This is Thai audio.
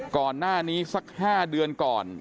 ก่อนหน้านี้สัก๕เดือนก่อน